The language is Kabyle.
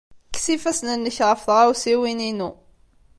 Kkes ifassen-nnek ɣef tɣawsiwin-inu!